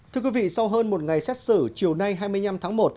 thưa quý vị sau hơn một ngày xét xử chiều nay hai mươi năm tháng một